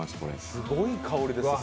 すごい香りですね。